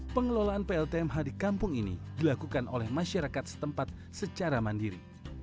pengelolaan pltmh di kampung ini dilakukan oleh masyarakat setempat secara mandiri